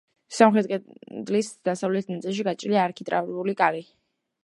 სამხრეთ კედლის დასავლეთ ნაწილში გაჭრილია არქიტრავული კარი.